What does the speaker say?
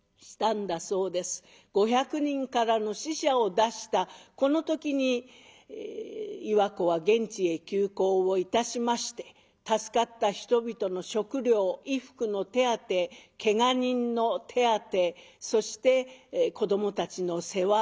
５００人からの死者を出したこの時に岩子は現地へ急行をいたしまして助かった人々の食糧衣服の手当てけが人の手当てそして子どもたちの世話。